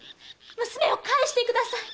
娘を返してください！